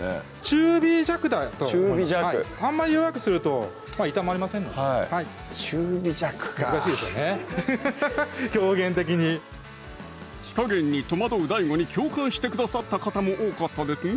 中火弱だとあんまり弱くすると炒まりませんので難しいですよねハハハハッ表現的に火加減に戸惑うＤＡＩＧＯに共感してくださった方も多かったですね